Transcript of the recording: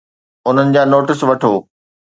انهن جا نوٽس وٺو